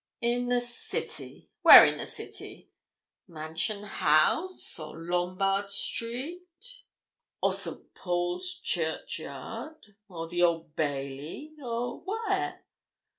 "In the City. Where in the City? Mansion House, or Lombard Street, or St. Paul's Churchyard, or the Old Bailey, or where?"